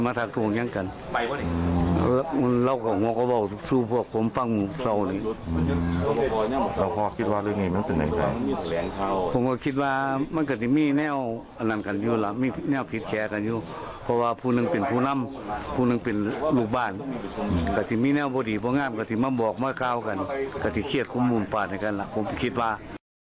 มันบอกไม่เข้ากันคติเครียดคุมมูลฟาดเหมือนกันล่ะผมคิดว่า